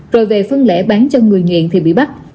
rồi về phân lễ bán cho người nghiện thì bị bắt